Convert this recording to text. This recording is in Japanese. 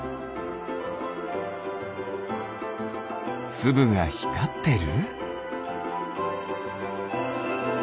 つぶがひかってる？